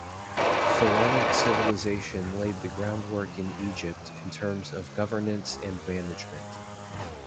Pharaonic civilization laid the groundwork in Egypt in terms of governance and management.